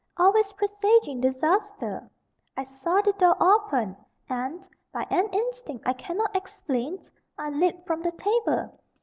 always presaging disaster. I saw the door open, and, by an instinct I cannot explain, I leaped from the table.